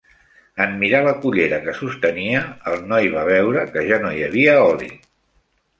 En mirar la cullera que sostenia, el noi va veure que ja no hi havia oli.